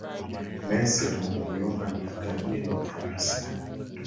messi amejiunga na matajiri wa ufaransa